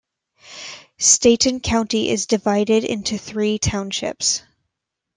Stanton County is divided into three townships.